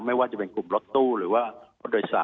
ไม่ว่าจะเป็นกลุ่มรถตู้หรือว่า